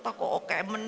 ibu risma pernah